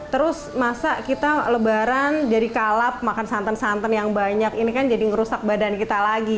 terus masa kita lebaran jadi kalap makan santan santan yang banyak ini kan jadi ngerusak badan kita lagi